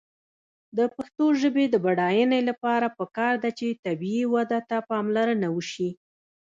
د پښتو ژبې د بډاینې لپاره پکار ده چې طبیعي وده ته پاملرنه وشي.